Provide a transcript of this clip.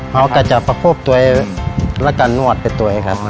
เขาก็จะประคบตัวเองแล้วก็นวดไปตัวเองครับ